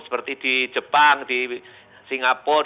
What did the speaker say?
seperti di jepang di singapura